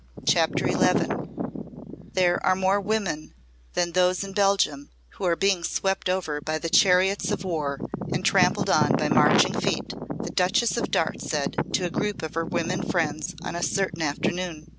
CHAPTER XI "There are more women than those in Belgium who are being swept over by the chariots of war and trampled on by marching feet," the Duchess of Darte said to a group of her women friends on a certain afternoon.